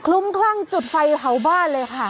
ลุ้มคลั่งจุดไฟเผาบ้านเลยค่ะ